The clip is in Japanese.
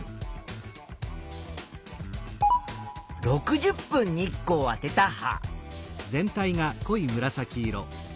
６０分日光をあてた葉。